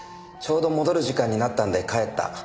ちょうど戻る時間になったんで帰った。